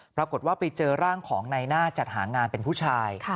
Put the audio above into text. ปรากฏว่าไปเจอร่างของในหน้าจัดหางานเป็นผู้ชาย